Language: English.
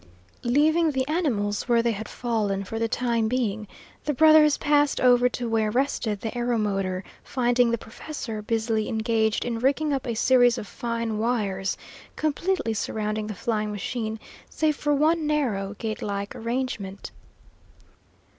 Leaving the animals where they had fallen, for the time being, the brothers passed over to where rested the aeromotor, finding the professor busily engaged in rigging up a series of fine wires, completely surrounding the flying machine, save for one narrow, gate like arrangement.